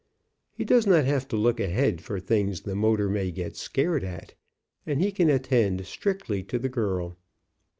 He does not have to look ahead for things the motor may get scared at, and he can attend strictly to the girl.